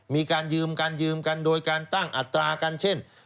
มีการยืมการยืมกันโดยการตั้งอัตรากันเช่น